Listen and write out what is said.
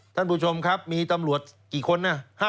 ท่านผู้ชมครับมีตำรวจกี่คนนะ